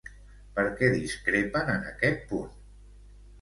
Per què discrepen en aquest punt?